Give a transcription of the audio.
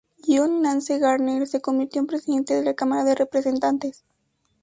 John Nance Garner se convirtió en Presidente de la Cámara de Representantes.